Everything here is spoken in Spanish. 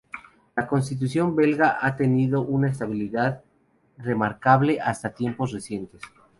La Constitución belga ha tenido un estabilidad remarcable hasta tiempos recientes.